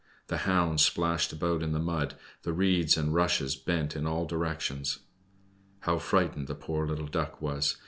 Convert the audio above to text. The hounds splashed about in the mud, the reeds and rushes bent in all directions. How frightened the poor little Duck was!